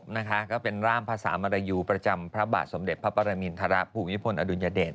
นะคะก็เป็นร่ามภาษามรยูประจำพระบาทสมเด็จพระปรมินทรภูมิพลอดุลยเดช